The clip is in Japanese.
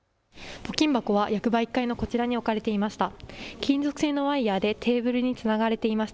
募金箱は役場１階のこちらに置かれていました。